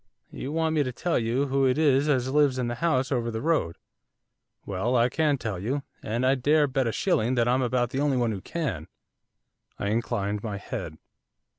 You want me to tell you who it is as lives in the house over the road. Well, I can tell you, and I dare bet a shilling that I'm about the only one who can.' I inclined my head.